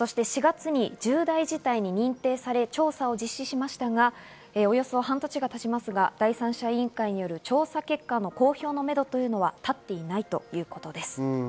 ４月に重大事態に認定され調査を実施し、およそ半年が経ちますが、第三者委員会による調査結果の公表のめどは立っていないということです。